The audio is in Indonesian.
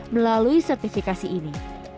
melalui sertifikasi ini